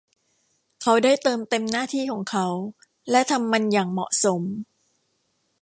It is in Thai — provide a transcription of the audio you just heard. เขาได้เติมเต็มหน้าที่ของเขาและทำมันอย่างเหมาะสม